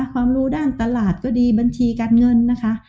ความรู้ด้านตลาดก็ดีบัญชีการเงินนะคะ